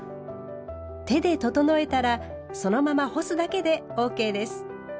手で整えたらそのまま干すだけでＯＫです。